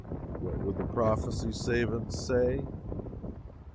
What would the prophecy savans say?